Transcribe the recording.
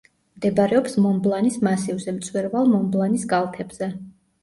მდებარეობს მონბლანის მასივზე, მწვერვალ მონბლანის კალთებზე.